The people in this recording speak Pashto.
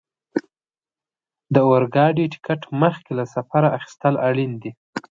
د اورګاډي ټکټ مخکې له سفره اخیستل اړین دي.